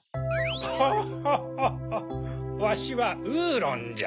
ホッホッホッわしはウーロンじゃ。